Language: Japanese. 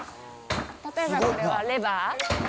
例えばこれは、レバー。